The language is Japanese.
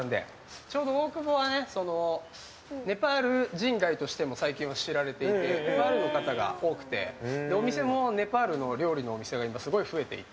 ちょうど大久保はネパール人街としても最近は知られていてネパールの方が多くてお店もネパールの料理のお店が今、すごい増えていて。